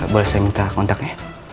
boleh saya minta kontaknya